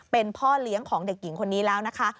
เป็นพ่อเลี้ยงของเด็กหญิงคนนี้แล้วนะคะ